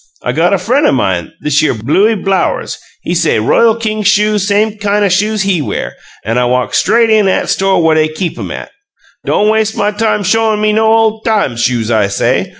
I got a frien' o' mine, thishere Blooie Bowers; he say Royal King shoes same kine o' shoes HE wear, an' I walk straight in 'at sto' where they keep 'em at. 'Don' was'e my time showin' me no ole time shoes,' I say.